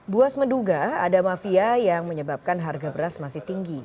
buas menduga ada mafia yang menyebabkan harga beras masih tinggi